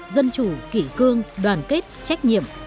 dân chủ kỷ cương đoàn kết trách nhiệm